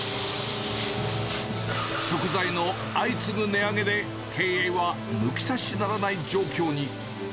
食材の相次ぐ値上げで、経営は抜き差しならない状況に。